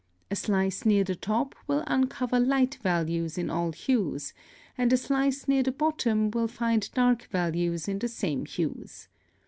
A slice near the top will uncover light values in all hues, and a slice near the bottom will find dark values in the same hues.